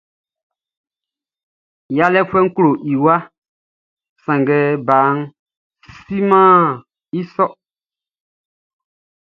Yalɛfuɛʼn klo i waʼn sanngɛ baʼn simɛn i sôr.